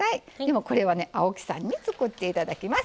これはね青木さんに作って頂きます。